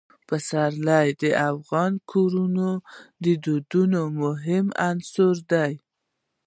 پسرلی د افغان کورنیو د دودونو مهم عنصر دی.